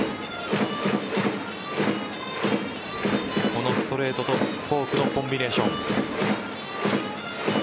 このストレートとフォークのコンビネーション。